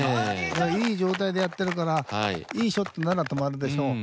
いい状態でやってるからいいショットなら止まるでしょう。